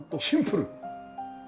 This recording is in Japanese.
シンプル！